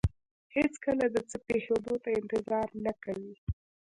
هېڅکله د څه پېښېدو ته انتظار نه کوي.